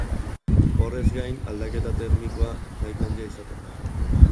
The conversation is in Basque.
Horrez gain, aldaketa termikoa nahiko handia izaten da.